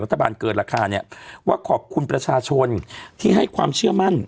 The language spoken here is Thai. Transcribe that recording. เกินราคาเนี่ยว่าขอบคุณประชาชนที่ให้ความเชื่อมั่น